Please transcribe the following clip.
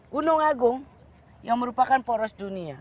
gunung agung yang merupakan poros dunia